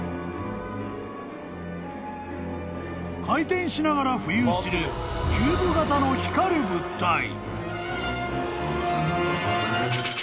［回転しながら浮遊するキューブ型の光る物体］